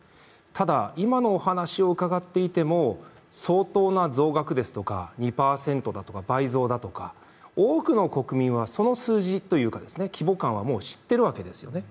ただ、今のお話を伺っていても相当な増額ですとか、２％だとか、倍増だとか、多くの国民はその数字というか規模感はもう知ってるわけですよね。